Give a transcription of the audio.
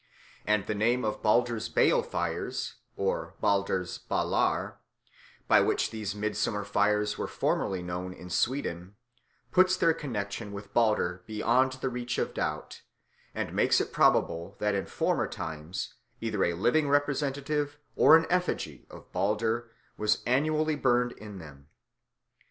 And the name of Balder's balefires (Balder's Balar), by which these midsummer fires were formerly known in Sweden, puts their connexion with Balder beyond the reach of doubt, and makes it probable that in former times either a living representative or an effigy of Balder was annually burned in them.